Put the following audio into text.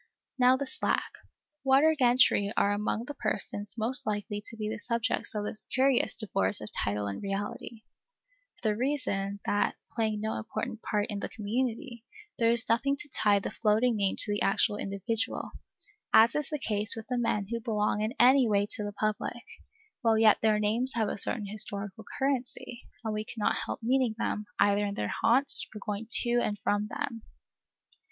Now the slack water gentry are among the persons most likely to be the subjects of this curious divorce of title and reality, for the reason, that, playing no important part in the community, there is nothing to tie the floating name to the actual individual, as is the case with the men who belong in any way to the public, while yet their names have a certain historical currency, and we cannot help meeting them, either in their haunts, or going to and from them.